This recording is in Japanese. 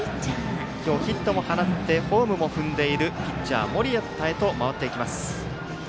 今日、ヒットも放ってホームも踏んでいるピッチャー盛田へとまわっていきます。